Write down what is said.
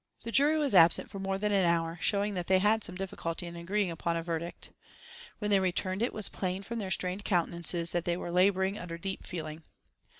The jury was absent for more than an hour, showing that they had some difficulty in agreeing upon a verdict. When they returned it was plain from their strained countenances that they were labouring under deep feeling.